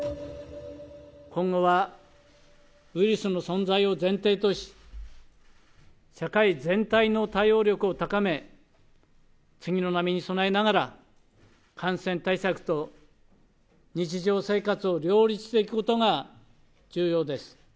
今後はウイルスの存在を前提とし、社会全体の対応力を高め、次の波に備えながら、感染対策と日常生活を両立していくことが重要です。